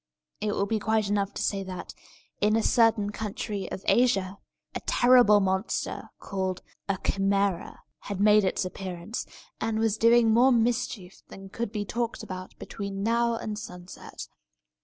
It will be quite enough to say that, in a certain country of Asia, a terrible monster, called a Chimæra, had made its appearance, and was doing more mischief than could be talked about between now and sunset.